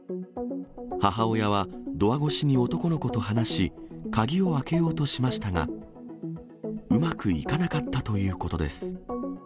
母親はドア越しに男の子と話し、鍵を開けようとしましたが、うまくいかなかったということです。